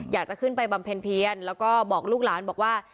อยากจะขึ้นไปบำเพ็ญเพียนแล้วก็บอกลูกหลานบอกว่า